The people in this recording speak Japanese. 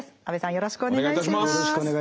よろしくお願いします。